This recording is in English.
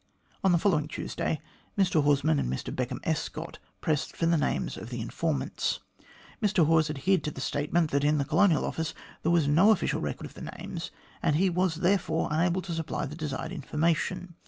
On the following Tuesday, Mr Horsman and Mr Beckham Escott pressed for the names of the informants. Mr Hawes adhered to the statement that in the Colonial Office there was no official record of the names, and he was therefore unable to supply the desired information.